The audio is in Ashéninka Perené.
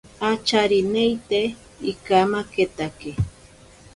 Acharineite ikamaketake.